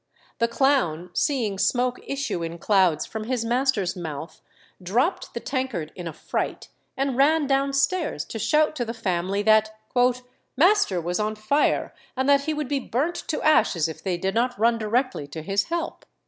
The clown, seeing smoke issue in clouds from his master's mouth, dropped the tankard in a fright, and ran downstairs to shout to the family that "master was on fire, and that he would be burnt to ashes if they did not run directly to his help."